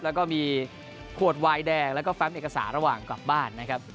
แล้วก็มีขวดวายแดงแล้วก็แฟมเอกสารระหว่างกลับบ้านนะครับ